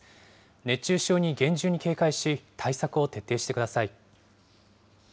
熱中症に厳重に警戒し、対策を徹底してください。